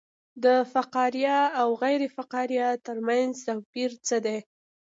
د فقاریه او غیر فقاریه ترمنځ توپیر څه دی